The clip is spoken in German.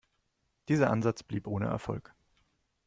Dieser Ansatz blieb ohne Erfolg.